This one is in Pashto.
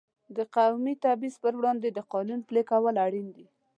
د قومي تبعیض پر وړاندې د قانون پلي کول اړین دي.